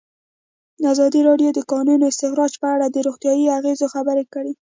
ازادي راډیو د د کانونو استخراج په اړه د روغتیایي اغېزو خبره کړې.